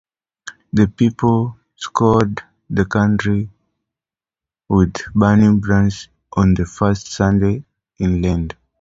The people scoured the country with burning brands on the first Sunday in Lent.